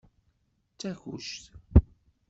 D takuct.